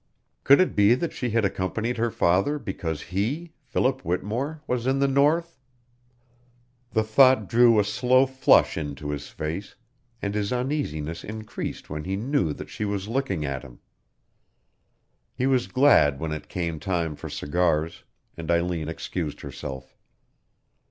Could it be that she had accompanied her father because he Philip Whittemore was in the north? The thought drew a slow flush into his face, and his uneasiness increased when he knew that she was looking at him. He was glad when it came time for cigars, and Eileen excused herself.